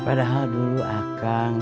padahal dulu akang